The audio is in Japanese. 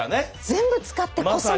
全部使ってこその。